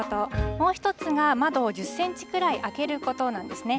もう１つは、窓を１０センチくらい開けることなんですね。